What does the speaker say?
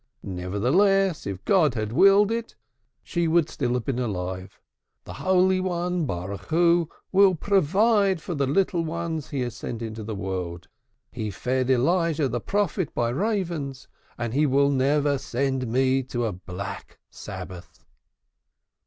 Nevertheless, if God had willed it, she would have been still alive. The Holy One, blessed be He, will provide for the little ones He has sent into the world. He fed Elijah the prophet by ravens, and He will never send me a black Sabbath."